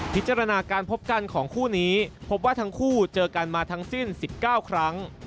พิจารณาการพบกันของคู่นี้พบว่าทั้งคู่เจอกันมาทั้งสิ้น๑๙ครั้ง